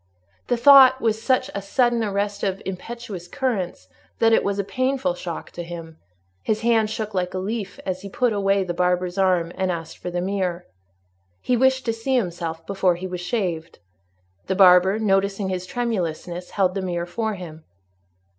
The thought was such a sudden arrest of impetuous currents, that it was a painful shock to him; his hand shook like a leaf, as he put away the barber's arm and asked for the mirror. He wished to see himself before he was shaved. The barber, noticing his tremulousness, held the mirror for him.